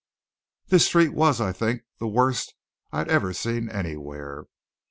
The street was, I think, the worst I have ever seen anywhere.